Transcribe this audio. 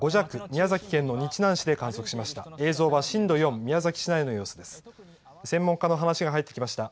宮崎県の日南市で観測しました。